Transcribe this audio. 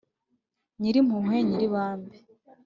nyir’impuhwe nyir’ibambe